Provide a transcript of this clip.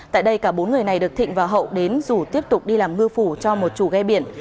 tại đây cả bốn người này được thịnh và hậu đến rủ tiếp tục đi làm ngư phủ cho một chủ ghe biển